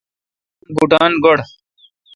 تان بوٹان گوڑ۔